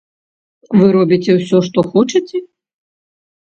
Вы робіце ўсё, што хочаце?